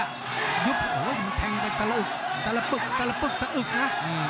ยุบโอ้โหมันแทงไปแต่ละอึกแต่ละปึกแต่ละปึกสะอึกนะ